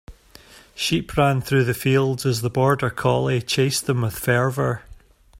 Sheep ran through the fields as the border collie chased them with fervor.